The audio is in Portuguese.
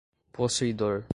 possuidor